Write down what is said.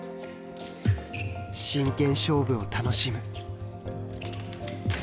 真剣勝負を楽しむ。